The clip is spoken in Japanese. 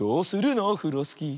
オフロスキー」